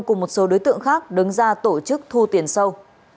cùng một số đối tượng khác đứng ra tổ chức thu tiền sâu